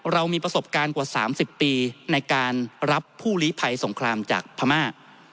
เรามีประสบการณ์กว่า๓๐ปีในการรับผู้ลิภัยสงครามจากพม่า